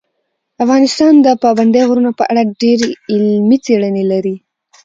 افغانستان د پابندي غرونو په اړه ډېرې علمي څېړنې لري.